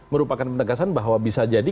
merupakan penegasan bahwa bisa jadi